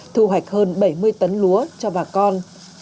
thu hoạch hơn bảy mươi tấn lúa cho bà con